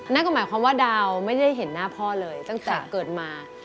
นั่นก็หมายความว่าดาวไม่ได้เห็นหน้าพ่อเลยตั้งแต่เกิดมา